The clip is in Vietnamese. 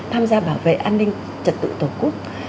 tham gia bảo vệ an ninh trật tự tổ quốc